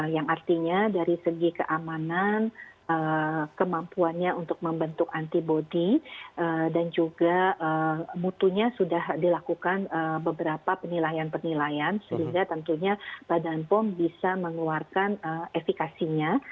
yang artinya dari segi keamanan kemampuannya untuk membentuk antibody dan juga mutunya sudah dilakukan beberapa penilaian penilaian sehingga tentunya badan pom bisa mengeluarkan efekasinya